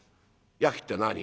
「やきって何？」